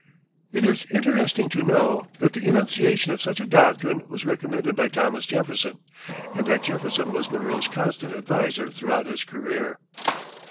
It is interesting to know that the enunciation of such a "doctrine" was recommended by Thomas Jefferson, and that Jefferson was Monroe's constant adviser throughout his career.